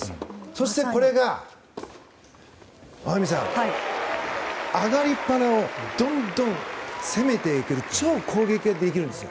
そして、これが上がりっぱなをどんどん攻めていける超攻撃ができるんですよ。